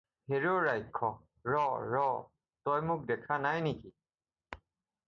"হেৰ ৰাক্ষস ৰ, ৰ, তই মোক দেখা নাই নেকি?"